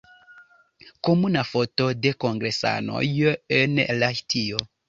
Komuna foto de kongresanoj en Lahtio.